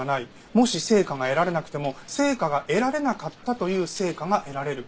もし成果が得られなくても成果が得られなかったという成果が得られる。